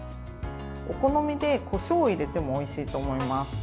お好みでこしょうを入れてもおいしいと思います。